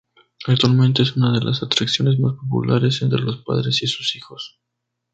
Actualmente es una de las atracciones más populares entre los padres y sus hijos.